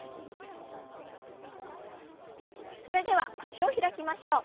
それでは脚を開きましょう。